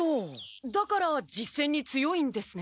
だから実戦に強いんですね。